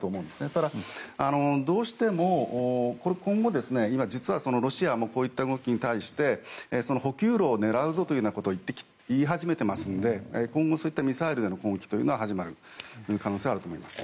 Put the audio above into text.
ただ、どうしても今後ロシアもこういった動きに対して補給路を狙うぞということを言い始めていますので今後、そういったミサイルへの攻撃が始まる可能性はあると思います。